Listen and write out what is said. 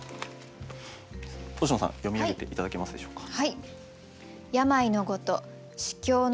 星野さん読み上げて頂けますでしょうか。